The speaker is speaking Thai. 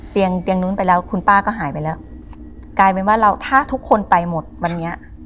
เตียงเตียงนู้นไปแล้วคุณป้าก็หายไปแล้วกลายเป็นว่าเราถ้าทุกคนไปหมดวันนี้